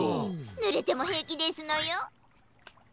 ぬれてもへいきですのよ。